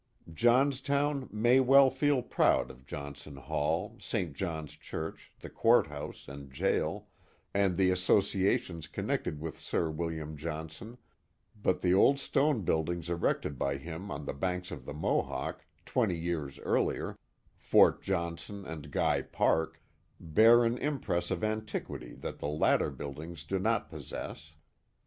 Johnstown may well feel proud of Johnson Hall, St, John's Cliurch, the court house, and Jail, and the associations connected with Sir William Johnson, but the old stone buildings erected by him on the banks of the Mohawk, twenty years earlier, Foit John son and Guy Park, bear an impress of antiquity that the later buildings do not possess.